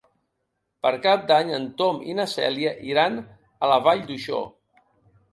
Per Cap d'Any en Tom i na Cèlia iran a la Vall d'Uixó.